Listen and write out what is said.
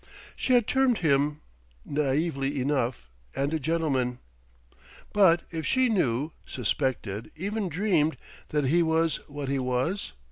... She had termed him, naïvely enough, and a gentleman. But if she knew suspected even dreamed that he was what he was?...